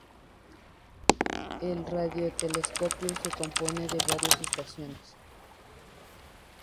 El radiotelescopio se compone de varias estaciones.